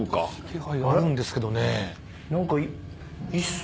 気配はあるんですけどね。